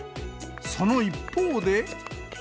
その一方で。